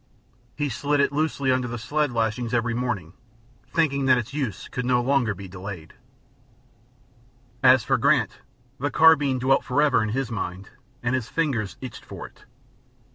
He slid it loosely under the sled lashings every morning, thinking that its use could not long be delayed. As for Grant, the carbine dwelt forever in his mind, and his fingers itched for it.